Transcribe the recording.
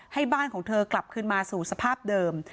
บ้านของเธอกลับขึ้นมาสู่สภาพเดิม